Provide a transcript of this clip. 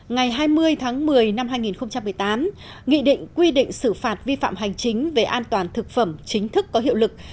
ngày hai mươi tháng một mươi năm hai nghìn một mươi tám nghị định quy định xử phạt vi phạm hành chính về an toàn thực phẩm chính thức có hiệu lực